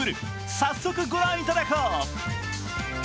早速御覧いただこう。